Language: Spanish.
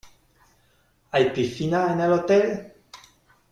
¿Hay piscina en el hotel?